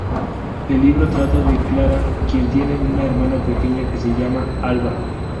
El libro trata de Clara, quien tiene una hermana pequeña que se llama Alba.